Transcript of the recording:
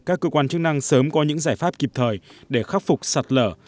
các cơ quan chức năng sớm có những giải pháp kịp thời để khắc phục sạt lở